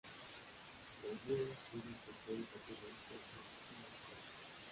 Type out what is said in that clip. Sevier tiene un papel recurrente en "Cedar Cove".